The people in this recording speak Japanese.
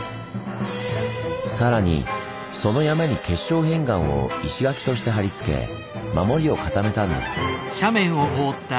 さらにその山に結晶片岩を石垣としてはり付け守りを固めたんです。